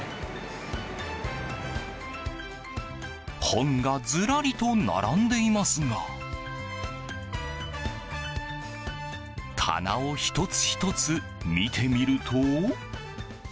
本がずらりと並んでいますが棚を１つ１つ見てみると。